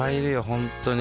本当に。